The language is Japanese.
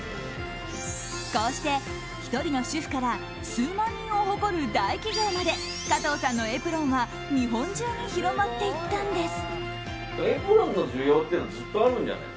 こうして１人の主婦から数万人を誇る大企業まで加藤さんのエプロンは日本中に広まっていったんです。